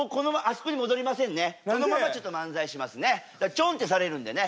ちょんってされるんでね。